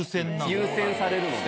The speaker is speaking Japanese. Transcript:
優先されるので。